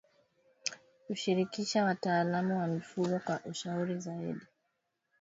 Kushirikisha wataalamu wa mifugo kwa ushauri zaidi